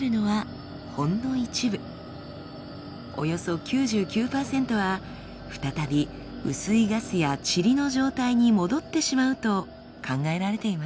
およそ９９％は再び薄いガスや塵の状態に戻ってしまうと考えられています。